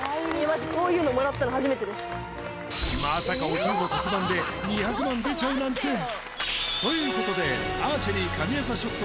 まさかお昼の特番で２００万出ちゃうなんてということでアーチェリー神業ショット